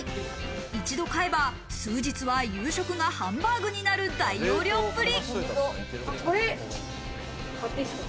一度買えば数日は夕食がハンバーグになる大容量っぷり。